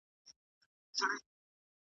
په مطبوعاتو کي رپوټونه .